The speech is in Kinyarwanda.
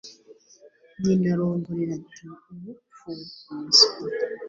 Nyina arongorera ati ubupfu umuswa